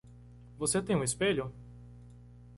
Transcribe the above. Você tem um espelho?